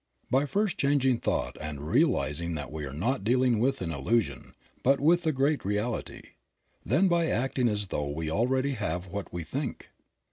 By first changing thought and by realizing that we are not dealing with an illusion, but with the great reality. Then by acting as though we already have what we think.